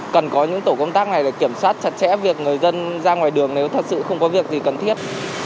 cần có những tổ công tác này để kiểm soát chặt chẽ việc người dân ra ngoài đường nếu thật sự không có việc gì cần thiết